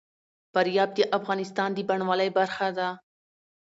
فاریاب د افغانستان د بڼوالۍ برخه ده.